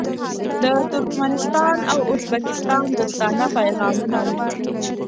د ترکمنستان او ازبکستان دوستانه پیغامونه وو.